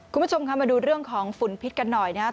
คุณผู้ชมค่ะมาดูเรื่องของฝุ่นพิษกันหน่อยนะครับ